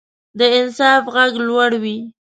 د انصاف غږ لوړ وي